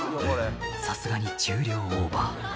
さすがに重量オーバー